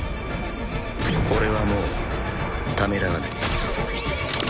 俺はもうためらわない。